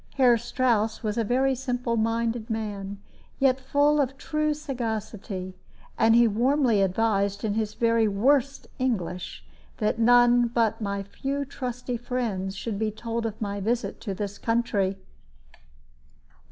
Herr Strouss was a very simple minded man, yet full of true sagacity, and he warmly advised, in his very worst English, that none but my few trusty friends should be told of my visit to this country.